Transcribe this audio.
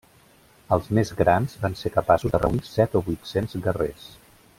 Els més grans van ser capaços de reunir set o vuit-cents guerrers.